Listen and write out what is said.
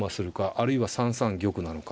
あるいは３三玉なのか。